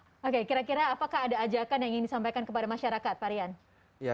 oke kira kira apakah ada ajakan yang ingin disampaikan kepada masyarakat pak rian